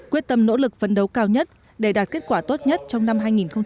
quyết tâm nỗ lực vấn đấu cao nhất để đạt kết quả tốt nhất trong năm hai nghìn hai mươi